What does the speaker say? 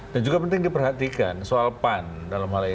dan juga penting diperhatikan soal pan dalam hal ini